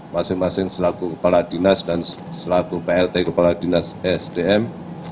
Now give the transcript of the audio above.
masing masing selaku kepala dinas dan selaku plt kepala dinas sdm